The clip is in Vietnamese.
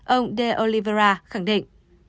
ông de oliveira khẳng định